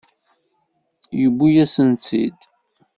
Yewwi-yasent-tt-id.